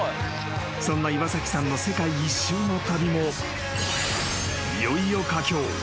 ［そんな岩崎さんの世界一周の旅もいよいよ佳境。